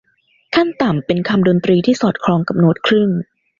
ขั้นต่ำเป็นคำดนตรีที่สอดคล้องกับโน๊ตครึ่ง